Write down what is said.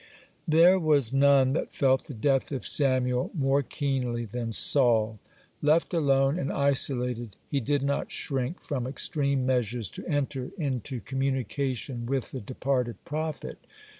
(72) There was none that felt the death of Samuel more keenly than Saul. Left alone and isolated, he did not shrink from extreme measures to enter into communication with the departed prophet.